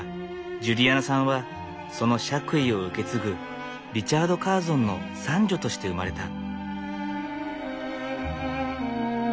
ジュリアナさんはその爵位を受け継ぐリチャード・カーゾンの三女として生まれた。